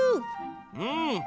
うん。